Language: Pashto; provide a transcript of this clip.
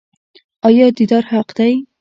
آیا دیدار حق دی؟